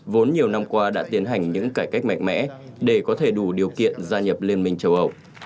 vốn nhiều năm qua đã tiến hành những cải cách mạnh mẽ để có thể đủ điều kiện gia nhập liên minh châu âu